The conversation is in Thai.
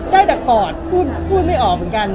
ได้แต่กอดพูดไม่ออกเหมือนกัน